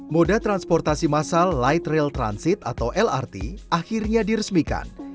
moda transportasi masal light rail transit atau lrt akhirnya diresmikan